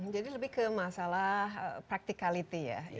jadi lebih ke masalah practicality ya